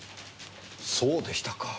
そうでしたか。